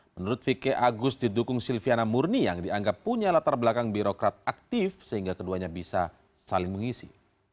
menurut vk agus didukung silviana murni yang dianggap punya latar belakang birokrat aktif sehingga keduanya bisa saling mengisi